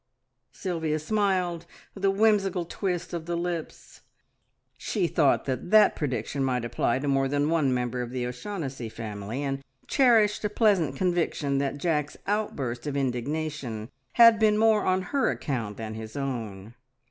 Sylvia smiled with a whimsical twist of the lips. She thought that that prediction might apply to more than one member of the O'Shaughnessy family, and cherished a pleasant conviction that Jack's outburst of indignation had been more on her account than his own.